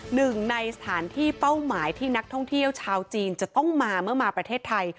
หนึ่งในสถานที่เป้าหมายที่นักท่องเที่ยวชาวจีนจะต้องมาเมื่อมาประเทศไทย